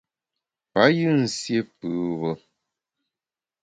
Payù nsié pùbe.